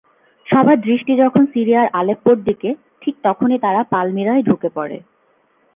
সবার দৃষ্টি যখন সিরিয়ার আলেপ্পোর দিকে, ঠিক তখনই তারা পালমিরায় ঢুকে পড়ে।